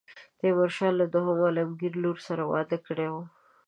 تیمورشاه له دوهم عالمګیر لور سره واده کړی وو.